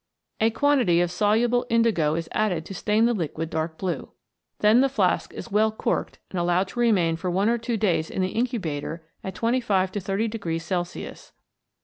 A quantity of soluble indigo is added to stain the liquid dark blue. Then the flask is well corked and allowed to remain for one or two days in the incubator at 25 to 30 degrees Celsius.